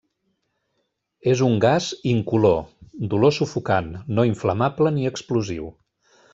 És un gas incolor d'olor sufocant, no inflamable ni explosiu.